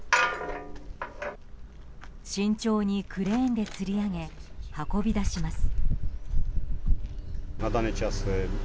慎重にクレーンでつり上げ運び出します。